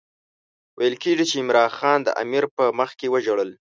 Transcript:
ویل کېږي چې عمرا خان د امیر په مخکې وژړل.